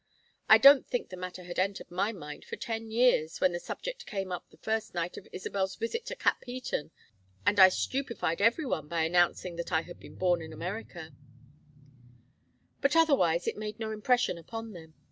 I don't think the matter had entered my mind for ten years, when the subject came up the first night of Isabel's visit to Capheaton and I stupefied every one by announcing that I had been born in America; but otherwise it made no impression upon them.